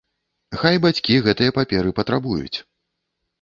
Хай бацькі гэтыя паперы патрабуюць.